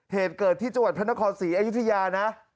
เหตุเกิดที่จังหวัดพระนครศรีอยุธยานะ